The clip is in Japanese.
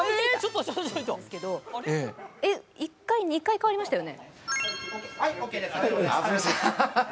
１回、２回変わりましたよね？